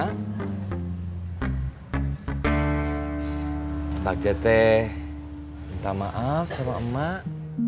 nabagja teh minta maaf sama emak